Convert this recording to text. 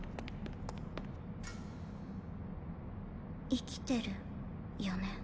生きてるよね？